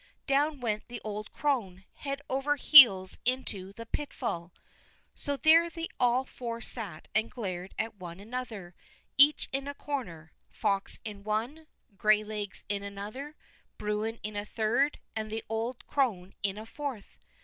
down went the old crone—head over heels into the pitfall. So there they all four sat and glared at one another, each in a corner—the fox in one, Graylegs in another, Bruin in a third, and the old crone in a fourth.